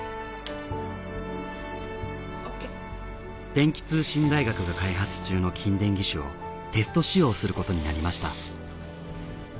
電気通信大学が開発中の筋電義手をテスト使用することになりました。